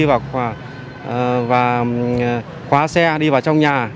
và khóa xe đi vào trong nhà